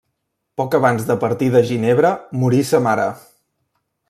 Poc abans de partir de Ginebra, morí sa mare.